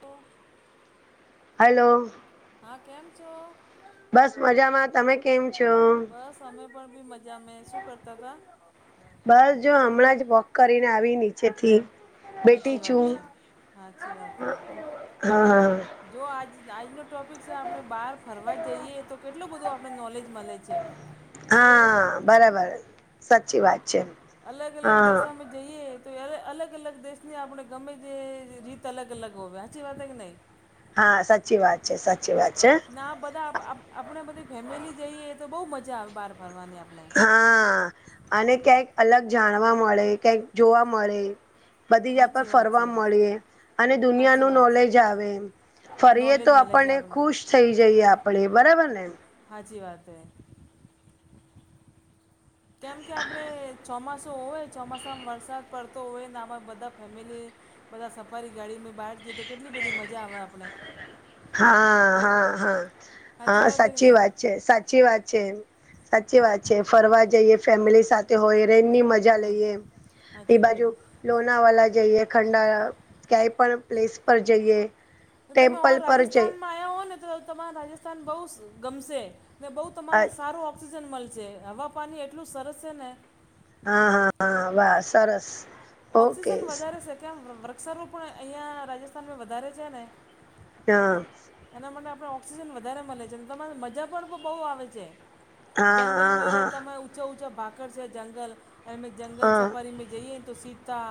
હા હલ્લો. હા કેમ છો? બસ મજામાં તમે કેમ છો? બસ અમે પણ બી મજા મે શું કરતા હતા? બસ જો હમણાં જ વોક કરીને આવી નીચે થી સાચી બેટી વાત છું છે સાચી વાત છે [inaudible] હા હા. જો આજ આજનો ટોપિક છે આપણે બાર ફરવા જઈએ તો કેટલું બધું આપને નોલેજ મળે છે. હા બરાબર સાચી વાત છે. અલગ અલગ હા દેશોમાં જઈએ તો અલગ અલગ દેશની આપણે ગમે તે રીત અલગ અલગ હોવે સાચી વાત કે નહીં હા, સાચી વાત છે, સાચી વાત છે. ના બધા આપણે બધી ફેમિલી જઈએ, તો બહુ મજા આવે બહાર ફરવાની આપણે. હા, અને ક્યાંક અલગ જાણવા મળે, ક્યાંક જોવા મળે. બધી જગ્યાપર સાચી વાત ફરવા છે મળે, અને સાચી દુનિયાનું વાત છે નોલેજ આવે. ફરીએ નોલેજ તો, મળે છે આપણને આપણે ખુશ થઈ જઈએ, આપણેે બરાબર ને. હાચી વાત હૈ. કેમ કે, આપડે ચોમાસું હોય. ચોમાસામાં વરસાદ પડતો હોય ને, આમાં બધા ફેમિલી બધા સફારી ગાડી મે બહાર જઈએ, તો કેટલી બધી મજા આવે આપે. હા, હા, હા, હા, છે કે સાચી નહીં વાત છે, સાચી વાત છે. સાચી વાત છે, ફરવા જઈએ ફેમિલી સાથે હોઈએ એની મજા મજા હા લઈએ એ સાચી વાત બાજુ. લોનાવાલા જઈએ, ખંડાલા, ક્યાંય પણ પ્લેસ પર જઈએ. જો તમે ટેમ્પલ પર જઈ રાજસ્થાનમાં આવ્યા હો ને, તો તમારા રાજસ્થાન બહુ ગમશે ને બહુ તો મને હા સારું ઓક્સિજન મળશે, હવા, પાણી એટલું સરસ છે ને. હા, હા, હા, વાહ સરસ. ઓકે ઓક્સિજન વધારે છે, કેમ? વૃક્ષારોપણ અહીંયા રાજસ્થાનમાં વધારે છે ને. હા. એના માટે આપણે ઓઑક્સિજન વધારે મળે છે, અને તમારી મજા પણ બહુ આવે છે. હા હા જંગલ મે હા તમે ઊચા-ઊચા ભાકર છે, જંગલ જંગલ હા છપરી મે જઈએ ને. તો સીતા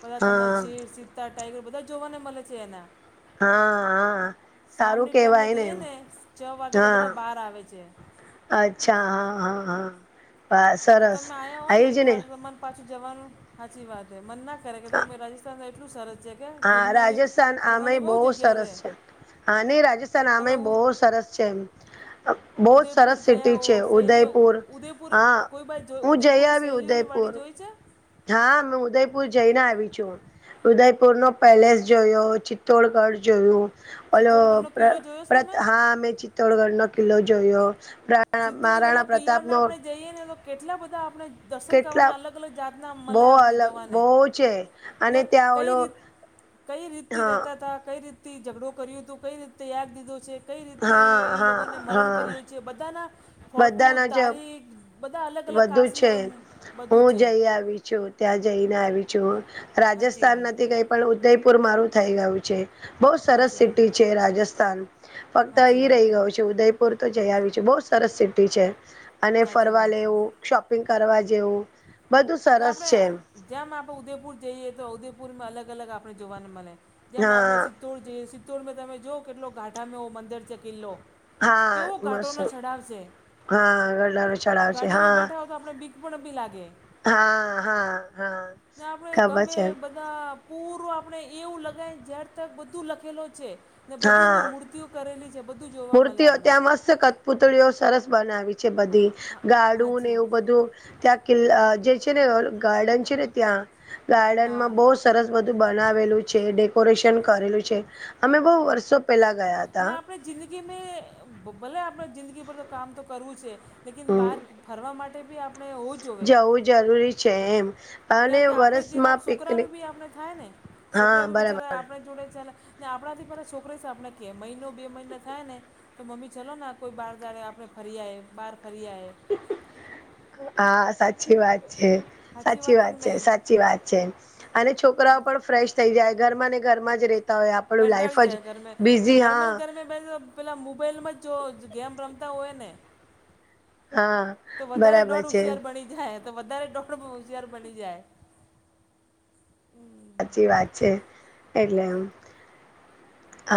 બધા તમારા હા હા શર સીતા ટાઈગર બધા જોવાને મળે છે એના. હા, હા. સામની ટાઈમમાં જઈએ ને, છ વાગે તો હા બધા બહાર આવે છે. અચ્છા, હા, હા, હા, બસ તો સરસ તમે આવ્યા હો આજ એક ને. વાર તો મન પાછું જવાનું સાચી વાત હ. મન ના કરે કે, તો મેં રાજસ્થાન એટલું સરસ છે કે હા, ઘૂમનાની રાજસ્થાન આમય ફરવાની બહુ જગ્યા છે સરસ છે‌. હાની રાજસ્થાન આમે બહુ સરસ છે એમ. બ [unintelligible] બહુ જ ઉદયપુર સરસ ગયા સિટી હો, છે સહેલીઓ ઉદયપુર ઉદયપુર હા કોઈ વિત જો હું જઈ ઉદયપુમાં આવી સહેલીઓને ઉદયપુર પવાડી જોઈ છે? હા, હ, ઉદયપુર જઈને આવી છું. ઉદયપુર નો પેલેસ જોયો, ચિત્તોડગઢ જોયું. ઓલો ચિત્તોડગઢનો કિલ્લો જોયો છે તમે હા, મેં ચિત્તોડગઢ નો કિલ્લો જોયો. પ્રા સિત્તોડગઢ મહારાણા ના કિલ્લા પ્રતાપ ના નો આપણે જઈએ ને, તો કેટલા બધા આપણે દર્શન કરવાના કેટલા અલગ અલગ-અલગ જાતના બહુ મળે, આપણે અલગ જોવાને બહુ છે. ને અને ત્યાં કંઈ ઓલો રીતે કઈ રીતથી હા રહેતા હતા, કંઈ રીતથી ઝઘડો કર્યું હતું, કઈ રીતે યાદ દીધો છે. કંઈ રીતે હા એ હા લોકોને મરણ હા કર્યું છે, બધાના ફોટું, બધાના જ તારીખ. બધા અલગ-અલગ વધુ કાસને છે બધું છે. જઈ આવી હું ત્યાં જઈને આવી છું. સાચી રાજસ્થાન વાત છે નથી કઈ પણ ઉદયપુર મારું થઈ ગયું છે. બહ સરસ સાચી વાત સિટી છે રાજસ્થાન. ફક્ત સાચી એઈ વાત રહી ગયું છે ઉદયપુર. અરે તો જઈ આવી છું! બહુ સરસ સિટી છે અને સાચી ફરવા વાત હે. લેવું શોપિંગ કરવા જેવું. બધું ના સરસ આપડે છે જેમ આપડે ઉદેપુર જઈએ તો, ઉદેપુરમાં અલગ- અલગ આપણે જોવાને મળે. જેમ આપણે હા ચિત્તોડ જઈએ, સિત્તુરં તમે જો કેટલો ગાંઠામાંવ મંદિર છે કિલ્લો હા કેવો મસ્ત ઘાટોનો ચડાવ છે, હા ગરનારો ચઢાવ છે ગાડીમાં હા બેઠા આપડે બીક પણ ભી લાગે. હા, હા, હા. ને આપડે ખબર ગમે છે બધે. પૂરું આપણે એવું લગાય ઝેર તક બધું લખેલો છે ને હા બધુંની મૂર્તિઓ કરેલી છે. બધું જોવા મળે મૂર્તિઓ આપણે ત્યાં મસ્ત કતપુતળીઓ સરસ બનાવી. છે હા બધી હા ગાડુંને હાજી એવું બધું. ત્યાં કિલ્લા જે છે ને ગાર્ડન છે ને ત્યાં હા ગાર્ડનમાં બોશ. સરસ બધું બનાવેલું છે ડેકોરેશન કરેલું છે અમે બહુ વર્ષો પેલા ગયા હતા ના આપણે જિંદગી મે ભલે આપડે જિંદગી પર તો કામ તો કરવું છે. લેકિન હમ બહાર ફરવા માટે બી આપ જવું જરૂરી છે એમ. અને કેમ કે આપણે વરસમાં જેવા પિકનિક છોકરાનું બી આપણે થાય ને હા છોકરા બી બચારા બરાબર આપ જોડે ચલા ને આપણાથી બધા છોકરી છે આપણે કે મહિનો બે મહિનો થાય ને તો મમ્મી ચલો ને કોઈ બહાર જડ આપણે ફરી આય બહાર ફરી આય. હા સાચી વાત છે સાચી વાત છે સાચ સાી વાત છે અને છોકરાઓ પણ ફ્રેશ થઈ જાય ઘરમાં ને ઘરમાં જ રે તોય આપણું લાઈફ જ બિઝી હા. પેલો પેલા મોબાઈલમાં જ જો ગેમ રમતા હોય ને. હા તો વધારે બરાબર દોઢ છે હોશિયાર બની જાય તો વધારે દોઢ હોશિયાર બની જાય. સાચી વાત છે એટલે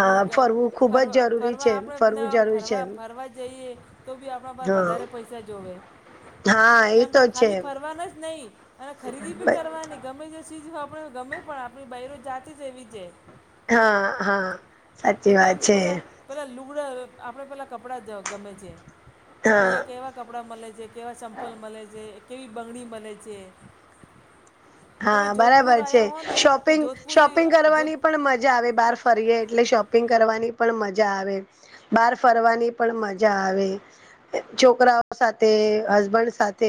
એકલી જાઉ ફરવું ખુબ જ ફરવા જરૂરી ફરવા છે આપડે ફરવું આમ જરૂરી છે. ફરવા ફરવા જઈએ. તો બી આપણા બાર હા વધારે પૈસા જોવે. હા એ કેમ તો કે છે ખાલી ફરવાના જ નહી અને ખરીદી ભી કરવાની. ગમે જે ચીજ હો આપણે ગમે પણ આપણી બાઈરો જાતે જ એવી છે. હા. હા. કે સાચી કેમ વાત તો છે બધા પેલા લુગડા આપડે પેલા કપડા ગમે છે. કે અહીંયા હા કેવા કપડાં મળે છે કેવા ચમપલ મળે છે કેવી બંગણી મળે છે. તમે હા જોધપુર બરાબર છે આવ્યા હો ને તો શોપિંગ જોધપુરી શોપિંગ જોધ કરવાની પણ મજા આવે બાર. ફરીએ એટલે શોપિંગ કરવાની પણ મજા આવે. બહાર ફરવાની પણ મજા આવે. છોકરાઓ સાથે હસબન્ડ સાથે